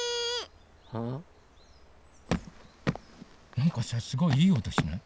なんかさすごいいいおとしない？